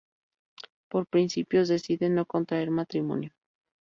Por principios deciden no contraer matrimonio.